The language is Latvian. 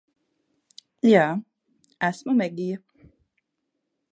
Jā. Esmu Megija.